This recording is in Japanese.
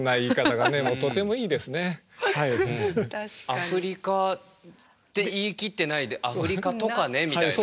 アフリカって言い切ってないで「アフリカとかね」みたいな。